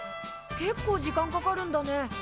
結構時間かかるんだね。